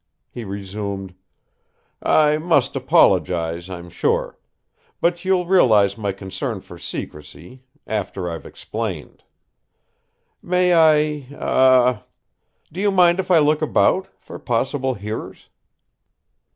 He resumed: "I must apologize, I'm sure. But you'll realize my concern for secrecy after I've explained. May I ah h h do you mind if I look about, for possible hearers?"